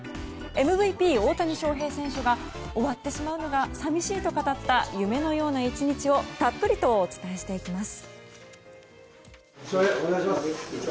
ＭＶＰ、大谷翔平選手が終わってしまうのが寂しいと語った夢のような１日をたっぷりとお伝えしていきます。